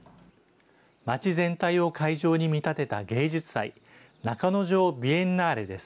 町全体を会場に見立てた芸術祭、中之条ビエンナーレです。